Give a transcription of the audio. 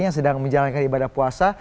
yang sedang menjalankan ibadah puasa